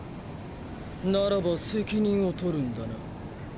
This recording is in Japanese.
ならば責任を取るんだな。！